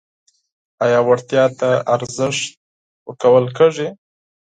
آیا وړتیا ته ارزښت ورکول کیږي؟